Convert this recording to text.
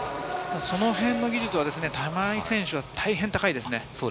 そのへんの技術は玉井選手は大変高いですね。